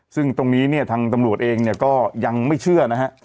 ซึ่งตรงนี้เนี่ยทางตำรวจเองเนี่ยก็ยังไม่เชื่อนะฮะ